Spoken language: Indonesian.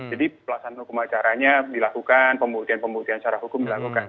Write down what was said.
jadi pelaksanaan hukum acaranya dilakukan pembuktian pembuktian secara hukum dilakukan